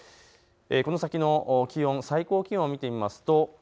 この先の気温、最高気温を見てみましょう。